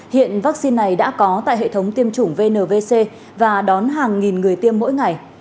hiện vaccine này đã có tại hệ thống tiêm chủng vnvc và đón hàng nghìn người tiêm mỗi ngày